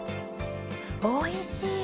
おいしい！